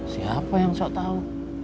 siapa yang sok tau